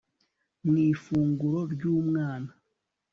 mu ifunguro ryu mwana